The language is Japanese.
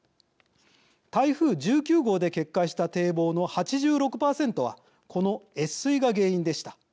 台風１９号で決壊した堤防の８６％は、この越水が原因でした。